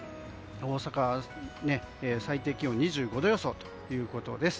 大阪、最低気温２５度予想ということです。